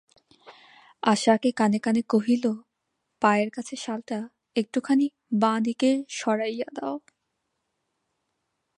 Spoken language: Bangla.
আশাকে কানে কানে কহিল, পায়ের কাছে শালটা একটুখানি বাঁ দিকে সরাইয়া দাও।